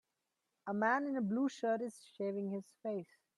A man in a blue shirt is shaving his face.